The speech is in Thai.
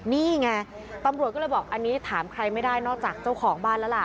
นี่ไงตำรวจก็เลยบอกอันนี้ถามใครไม่ได้นอกจากเจ้าของบ้านแล้วล่ะ